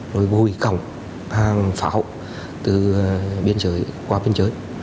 rồi bùi cỏng hàng pháo từ biên giới qua biên giới